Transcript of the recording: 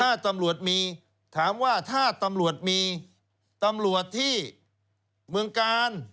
ถ้าตำรวจมีถามว่าถ้าตำรวจมีตำรวจที่เมืองกาล